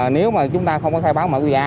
nếu mà chúng ta không có khai báo mã quý gia